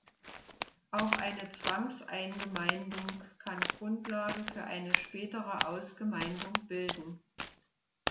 Auch eine Zwangseingemeindung kann Grundlage für eine spätere Ausgemeindung bilden.